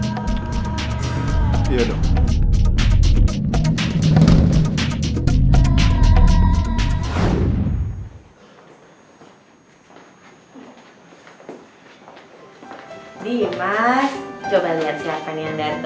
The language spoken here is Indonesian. dimas coba lihat siapa nih yang dateng